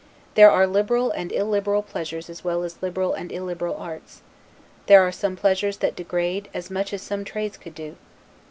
There are liberal and illiberal pleasures as well as liberal and illiberal arts: There are some pleasures that degrade a gentleman as much as some trades could do.